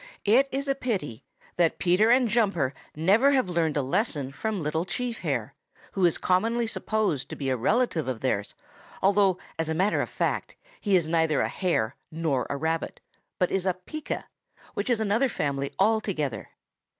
It is a pity that Peter and Jumper never have learned a lesson from Little Chief Hare, who is commonly supposed to be a relative of theirs, although, as a matter of fact, he is neither a Hare nor a Rabbit, but is a Pika, which is another family altogether.